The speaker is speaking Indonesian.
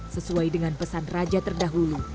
sesuai dengan pesan raja terdahulu